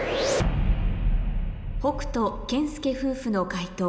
北斗・健介夫婦の解答